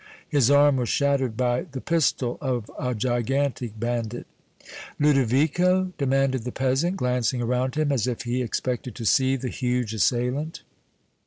"His arm was shattered by the pistol of a gigantic bandit." "Ludovico?" demanded the peasant, glancing around him, as if he expected to see the huge assailant.